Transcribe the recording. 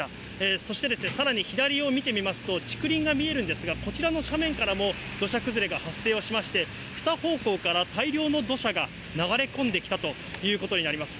そしてさらに左を見てみますと、竹林が見えるんですが、こちらの斜面からも土砂崩れが発生をしまして、２方向から大量の土砂が流れ込んできたということになります。